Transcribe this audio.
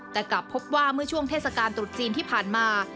แต่กลับพบว่าเมื่อช่วงเทศกาลตรุษจีนที่ผ่านมา